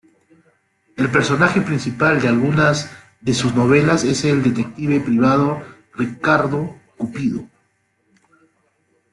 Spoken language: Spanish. El personaje principal de algunas de sus novelas es el detective privado "Ricardo Cupido".